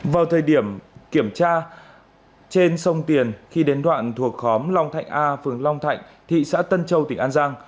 vào thời điểm kiểm tra trên sông tiền khi đến đoạn thuộc khóm long thạnh a phường long thạnh thị xã tân châu tỉnh an giang